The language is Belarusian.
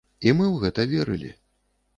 І мы ў гэта верылі.